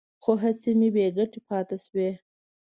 خو هڅې مې بې ګټې پاتې شوې.